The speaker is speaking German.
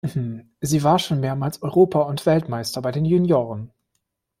Sie war schon mehrmals Europa- und Weltmeister bei den Junioren.